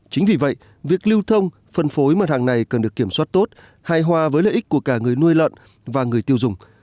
chính vì vậy việc lưu thông phân phối mặt hàng này cần được kiểm soát tốt hài hòa với lợi ích của cả người nuôi lợn và người tiêu dùng